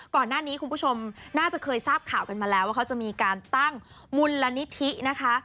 คุณผู้ชมน่าจะเคยทราบข่าวกันมาแล้วว่าเขาจะมีการตั้งมูลนิธินะคะ